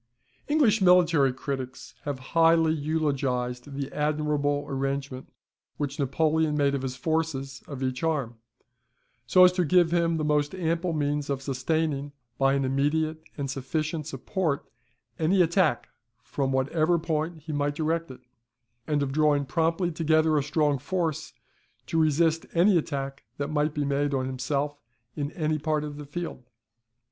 English military critics have highly eulogised the admirable arrangement which Napoleon made of his forces of each arm, so as to give him the most ample means of sustaining, by an immediate and sufficient support, any attack, from whatever point he might direct it; and of drawing promptly together a strong force, to resist any attack that might be made on himself in any part of the field.